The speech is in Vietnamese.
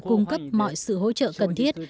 cung cấp mọi sự hỗ trợ cần thiết